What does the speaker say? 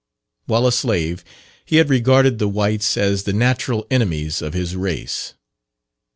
While a slave he had regarded the whites as the natural enemies of his race.